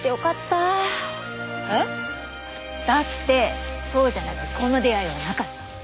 えっ？だってそうじゃなきゃこの出会いはなかった。